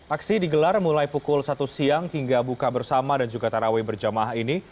aksi digelar mulai pukul satu siang hingga buka bersama dan juga taraweh berjamaah ini